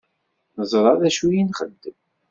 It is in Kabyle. Neẓṛa dacu i nxeddem.